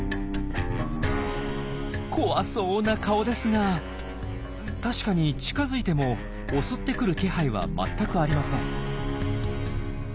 怖そうな顔ですが確かに近づいても襲ってくる気配はまったくありません。